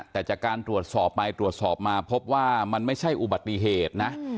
แต่จากการตรวจสอบไปตรวจสอบมาพบว่ามันไม่ใช่อุบัติเหตุนะ